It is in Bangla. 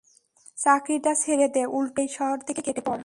চাকরীটা ছেড়ে দে, উল্টো ঘুরে এই শহর থেকে কেটে পড়।